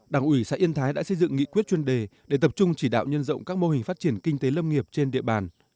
đảng ủy xã yên thái đã xây dựng nghị quyết chuyên đề để tập trung chỉ đạo nhân rộng các mô hình phát triển kinh tế lâm nghiệp trên địa bàn